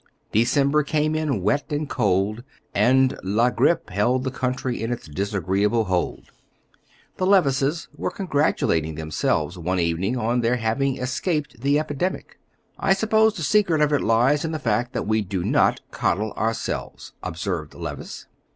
December came in wet and cold, and la grippe held the country in its disagreeable hold. The Levices were congratulating themselves one evening on their having escaped the epidemic. "I suppose the secret of it lies in the fact that we do not coddle ourselves," observed Levice.